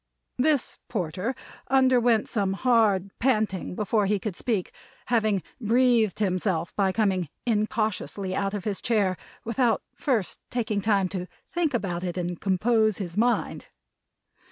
This Porter underwent some hard panting before he could speak; having breathed himself by coming incautiously out of his chair, without first taking time to think about it and compose his mind.